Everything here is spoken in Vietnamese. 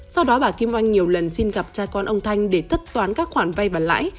sau đó bà kim oanh nhiều lần xin gặp cha con ông thanh để tất toán các khoản vay và lãi